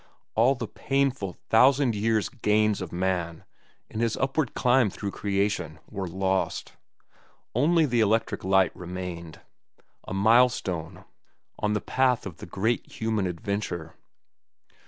All the painful, thousand years' gains of man in his upward climb through creation were lost. Only the electric light remained, a milestone on the path of the great human adventure.